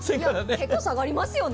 結構下がりますよね。